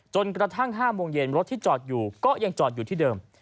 กระทั่ง๕โมงเย็นรถที่จอดอยู่ก็ยังจอดอยู่ที่เดิม